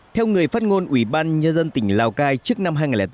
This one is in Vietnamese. theo người phát ngôn ủy ban nhân dân tỉnh lào cai trước năm hai nghìn bốn